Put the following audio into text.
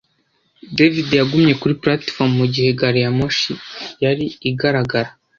David yagumye kuri platifomu mugihe gari ya moshi yari igaragara.